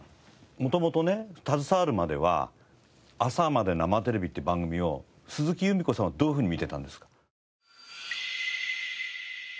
元々ね携わるまでは『朝まで生テレビ！』という番組を鈴木裕美子さんはどういうふうに見てたんです？